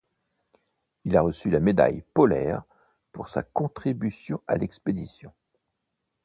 Il a reçu la médaille polaire pour sa contribution à l'expédition.